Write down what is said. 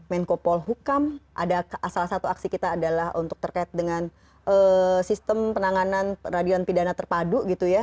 menko polhukam ada salah satu aksi kita adalah untuk terkait dengan sistem penanganan radian pidana terpadu gitu ya